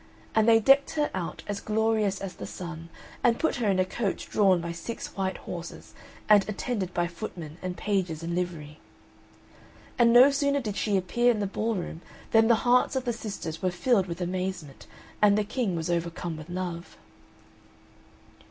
And they decked her out as glorious as the sun, and put her in a coach drawn by six white horses, and attended by footmen and pages in livery. And no sooner did she appear in the ball room than the hearts of the sisters were filled with amazement, and the King was overcome with love.